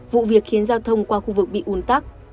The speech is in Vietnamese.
vụ việc khiến giao thông qua khu vực bị ủn tắc